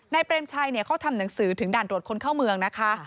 เปรมชัยเขาทำหนังสือถึงด่านตรวจคนเข้าเมืองนะคะ